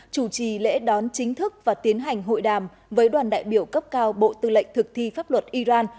chủ trì lễ đón chính thức và tiến hành hội đàm với đoàn đại biểu cấp cao bộ tư lệnh thực thi pháp luật iran